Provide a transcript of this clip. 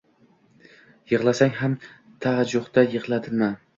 Yiglasang ham tahajjudda yigla tinma!